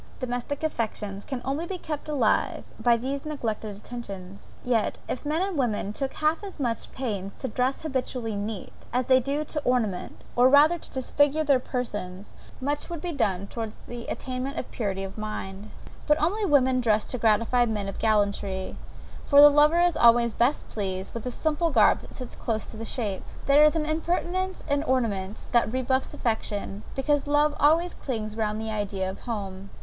Domestic affection can only be kept alive by these neglected attentions; yet if men and women took half as much pains to dress habitually neat, as they do to ornament, or rather to disfigure their persons, much would be done towards the attainment of purity of mind. But women only dress to gratify men of gallantry; for the lover is always best pleased with the simple garb that sits close to the shape. There is an impertinence in ornaments that rebuffs affection; because love always clings round the idea of home.